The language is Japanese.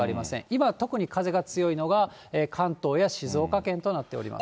今、特に風が強いのが関東や静岡県となっております。